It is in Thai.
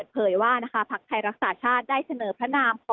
เผยว่าพักไทยรักษาชาติได้เสนอพระนามขอ